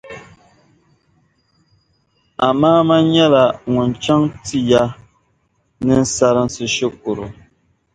Amaama nyɛla ŋun chaŋ ti ya ninsarinsi shikuru.